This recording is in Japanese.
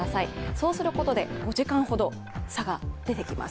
そうすることで５時間ほど差が出てきます。